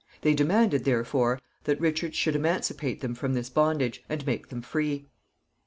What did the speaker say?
They demanded, therefore, that Richard should emancipate them from this bondage, and make them free.